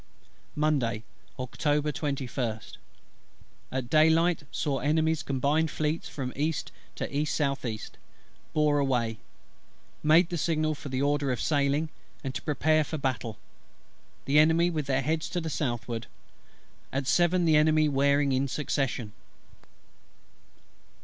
Monday, Oct. 21st. At day light saw Enemy's Combined Fleets from east to E.S.E. Bore away. Made the signal for order of sailing, and to prepare for battle. The Enemy with their heads to the southward. At seven the Enemy wearing in succession.